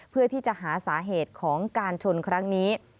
เพื่อที่จะหาสาเหตุของการชนครั้งนี้